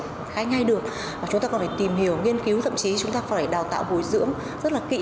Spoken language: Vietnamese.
phải khai ngay được chúng ta còn phải tìm hiểu nghiên cứu thậm chí chúng ta phải đào tạo bồi dưỡng rất là kỹ